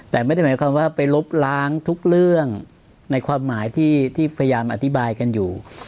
แต่ไม่ได้หมายความว่าไปลบล้างทุกเรื่องในความหมายที่พยายามอธิบายกันอยู่